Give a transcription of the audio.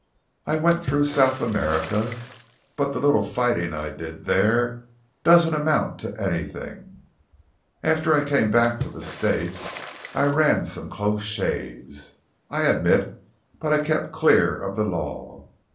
I went through South America, but the little fighting I did there doesn't amount to anything. After I came back to the States I ran some close shaves, I admit, but I kept clear of the law.